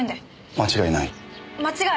間違いない？